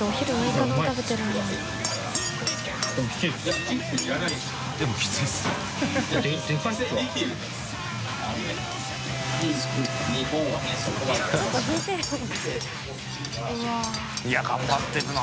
戸次）いや頑張ってるな。